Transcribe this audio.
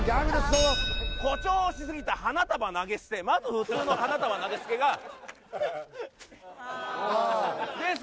どうぞ誇張しすぎた花束投げ捨てまず普通の花束投げ捨てがああです